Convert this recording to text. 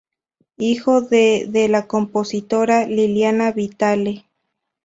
Hijo de de la compositora Liliana Vitale.